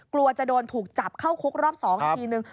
กลัวจะโดนถูกจับเข้าคุกรอบ๒อีกทีนึง